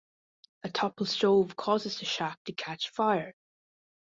A toppled stove causes the shack to catch fire.